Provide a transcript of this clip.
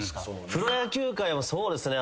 プロ野球界はそうですね。